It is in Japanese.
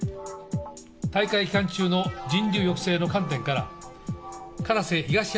大会期間中の人流抑制の観点から片瀬東浜